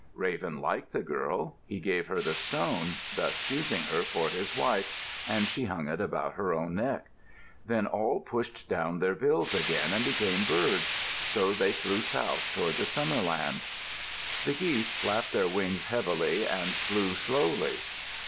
Raven liked the girl; he gave her the stone, thus choosing her for his wife, and she hung it about her own neck. Then all pushed down their bills again and became birds. So they flew south toward the summerland. The geese flapped their wings heavily and flew slowly.